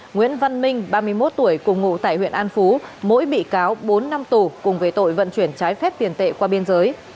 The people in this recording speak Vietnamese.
nguyễn văn minh ba mươi một tuổi cùng ngụ tại huyện an phú mỗi bị cáo bốn năm tù cùng về tội vận chuyển trái phép tiền tệ qua biên giới